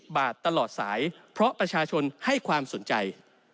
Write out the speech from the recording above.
บาทตลอดสายเพราะประชาชนให้ความสนใจ